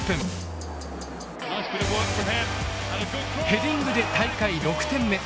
ヘディングで大会６点目。